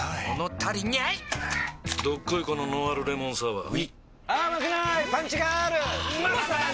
どっこいこのノンアルレモンサワーうぃまさに！